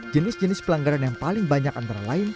jenis jenis pelanggaran yang paling banyak antara lain